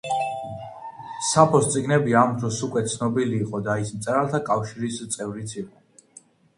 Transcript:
საფოს წიგნები ამ დროს უკვე ცნობილი იყო და ის მწერალთა კავშირის წევრიც იყო.